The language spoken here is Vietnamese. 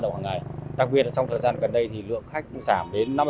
hình như tuy nhiên trong thời gian gần đây lượng khách cũng kiểm soát